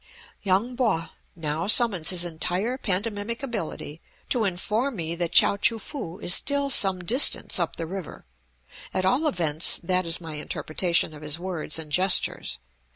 Yung Po now summons his entire pantomimic ability, to inform me that Chao choo foo is still some distance up the river, at all events that is my interpretation of his words and gestures.